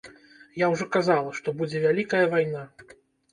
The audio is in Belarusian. Я ўжо казала, што будзе вялікая вайна.